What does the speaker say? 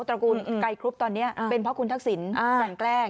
ตระกูลไกลครุบตอนนี้เป็นเพราะคุณทักษิณกันแกล้ง